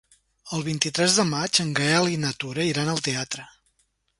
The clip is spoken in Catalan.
El vint-i-tres de maig en Gaël i na Tura iran al teatre.